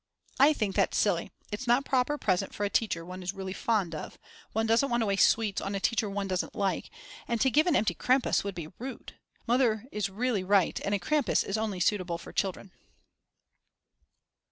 I think that's silly. It's not a proper present for a teacher one is really fond of, one doesn't want to waste sweets on a teacher one doesn't like, and to give an empty Krampus would be rude. Mother is really right and a Krampus is only suitable for children.